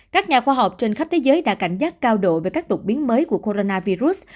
các nhà khoa học trên khắp thế giới đã cảnh giác cao độ về các đột biến mới của coronavirus